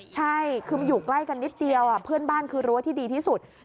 ใช่คือมันอยู่ใกล้กันนิดเดียวเพื่อนบ้านคือรั้วที่ดีที่สุด